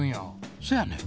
そやねん。